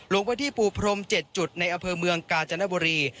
ลงไปที่ปูพรม๗จุดในอำเภอเมืองกาญจนบุรี